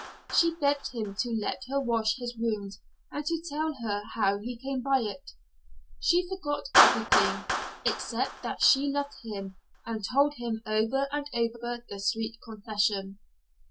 She begged him to let her wash his wound and to tell her how he came by it. She forgot everything, except that she loved him and told him over and over the sweet confession.